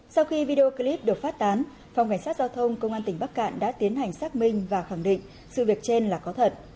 sau khi video clip được phát tán phòng cảnh sát giao thông công an tỉnh bắc cạn đã tiến hành xác minh và khẳng định sự việc trên là có thật